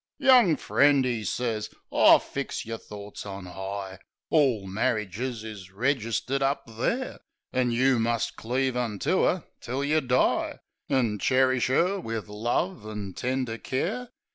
"Young friend," 'e sez, "Oh fix yer thorts on 'igh! Orl marridges is registered up there! An' you must cleave unto 'er till yeh die. An' cherish 'er wiv love an' tender care.